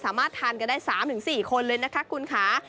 สามารถทานกันได้สามถึงสี่คนเลยนะคะคุณค้า